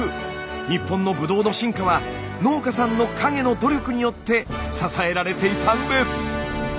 日本のブドウの進化は農家さんの陰の努力によって支えられていたんです。